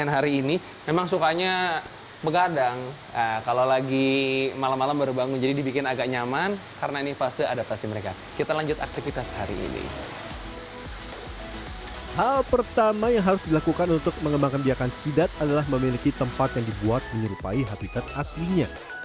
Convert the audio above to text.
hal ini yang harus dilakukan untuk mengembangkan biakan sidap adalah memiliki tempat yang dibuat menyerupai habitat aslinya